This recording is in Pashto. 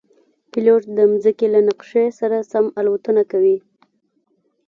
پیلوټ د مځکې له نقشې سره سم الوتنه کوي.